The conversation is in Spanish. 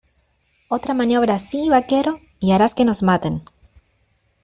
Otra maniobra así, vaquero , y harás que nos maten.